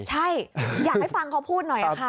ใช่อยากให้ฟังเขาพูดหน่อยค่ะ